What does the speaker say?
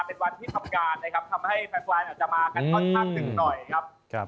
เป็นวันที่ครับการนะครับทำให้แฟนฟุตบอลจะมากันก็หน้าหนึ่งหน่อยครับ